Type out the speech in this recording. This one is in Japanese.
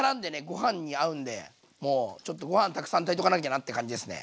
ごはんに合うんでもうちょっとごはんたくさん炊いとかなきゃなって感じですね。